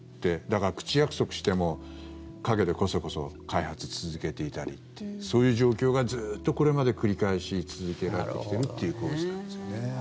だから、口約束しても陰でこそこそ開発を続けていたりそういう状況が、ずっとこれまで繰り返し続いてきているっていう構図なんですよね。